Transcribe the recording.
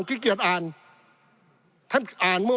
ปี๑เกณฑ์ทหารแสน๒